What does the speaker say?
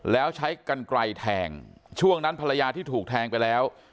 แล้วใช้กันไกลแทงช่วงนั้นภรรยาที่ถูกแทงไปแล้ว